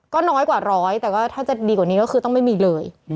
ก็น้อยกว่าร้อยแต่ก็ถ้าจะดีกว่านี้ก็คือต้องไม่มีเลย